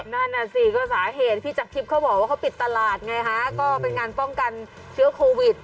นั่นน่ะสิก็สาเหตุที่จากทิพย์เขาบอกว่าเขาปิดตลาดไงฮะก็เป็นงานป้องกันเชื้อโควิด